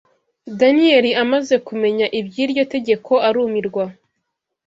Daniyeli amaze kumenya iby’iryo tegeko arumirwa